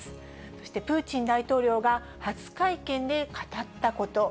そしてプーチン大統領が、初会見で語ったこと。